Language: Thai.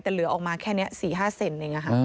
แต่เหลือออกมาแค่นี้๔๕เซนติเมตรเองอ่ะค่ะ